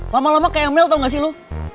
lama lama kayak mel tau gak sih lo